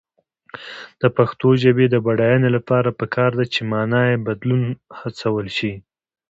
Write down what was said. د پښتو ژبې د بډاینې لپاره پکار ده چې معنايي بدلون هڅول شي.